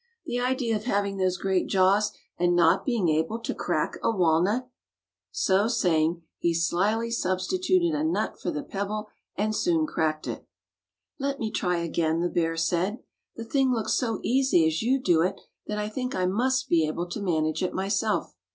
"The idea of having those great jaws and not being able to crack a walnut!" So saying, he slyly substituted a nut for the pebble and soon cracked it. "Let me try again," the bear said. "The thing looks so easy as you do it that I think I must be able to manage it myself."